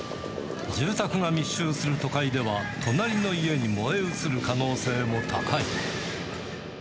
住宅が密集する都会では、隣の家に燃え移る可能性も高い。